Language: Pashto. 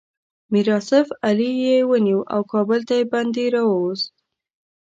میر آصف علي یې ونیو او کابل ته یې بندي راووست.